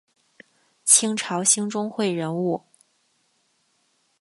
清朝兴中会人物。